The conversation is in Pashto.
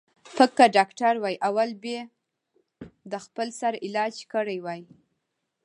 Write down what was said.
ـ پک که ډاکتر وای اول به یې د خپل سر علاج کړی وای.